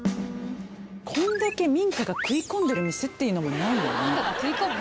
こんだけ民家が食い込んでる店っていうのもないよね。